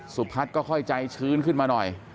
สุพัฒน์ก็ค่อยใจชื้นขึ้นมาหน่อย